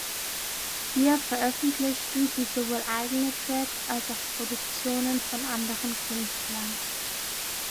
Hier veröffentlichten sie sowohl eigene Tracks als auch Produktionen von anderen Künstlern.